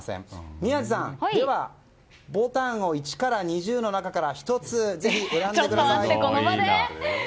宮司さん、ボタンを１から２０の中から１つ選んでください。